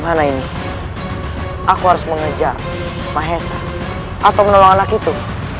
mana ini aku harus mengejar mahesa atau menolong anak itu